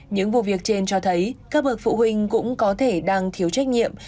những vụ việc trên cho thấy các bậc phụ huynh cũng có thể đang thiếu trách nhiệm